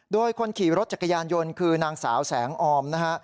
โดยคนขี่รถจักรยานยนต์คือนางสาวแสงออมนะฮะ